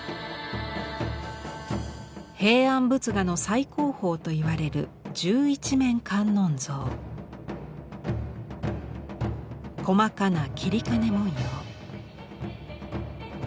平安仏画の最高峰といわれる細かな截金文様。